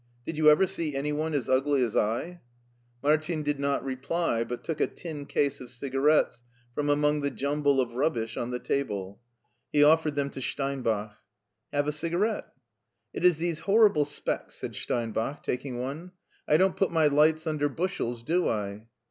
Did you ever see any one as ugly as I ?" Martin did not reply, but took a tin case of ciga rettes from among the jumble of rubbish on the table. He offered them to Steinbach. " Have a cigarette." " It is these horrible specs," said Steinbach, taking one. "I don't put my lights under bushels, do I?"